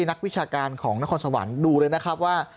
นักวิชาการของนครสวรรค์ดูเลยนะครับว่า